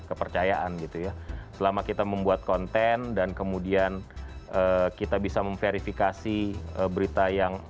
kepercayaan gitu ya selama kita membuat konten dan kemudian kita bisa memverifikasi berita yang